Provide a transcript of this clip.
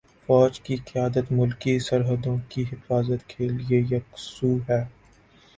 فوج کی قیادت ملکی سرحدوں کی حفاظت کے لیے یکسو ہے۔